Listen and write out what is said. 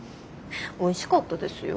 おいしかったですよ。